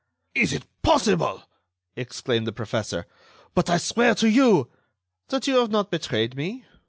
"Is it possible!" exclaimed the professor. "But I swear to you—" "That you have not betrayed me?...